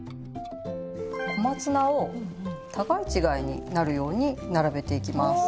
小松菜を互い違いになるように並べていきます。